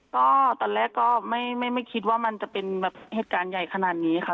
ก็ตอนแรกก็ไม่คิดว่ามันจะเป็นแบบเหตุการณ์ใหญ่ขนาดนี้ค่ะ